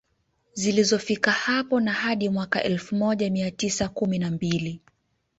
Zilizofika hapo na hadi mwaka elfu moja mia tisa kumi na mbili